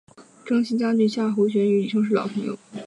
征西将军夏侯玄与李胜是老朋友。